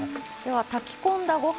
炊き込んだご飯